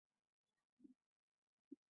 যাকে রাগাতে চাচ্ছ সে সাধারণ কেউ না।